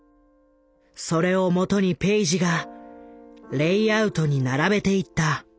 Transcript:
それをもとにペイジがレイアウトに並べていった。